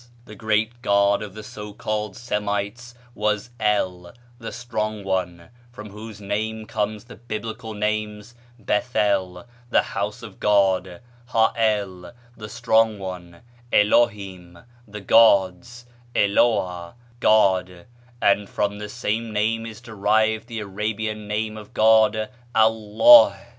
The great god of the so called Semites was El, the Strong One, from whose name comes the Biblical names Beth el, the house of God; Ha el, the strong one; El ohim, the gods; El oah, God; and from the same name is derived the Arabian name of God, Al lah.